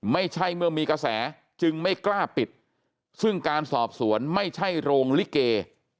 ไม่ใช่เมื่อมีกระแสจึงไม่กล้าปิดซึ่งการสอบสวนไม่ใช่โรงลิเก